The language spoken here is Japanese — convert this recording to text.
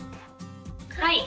はい。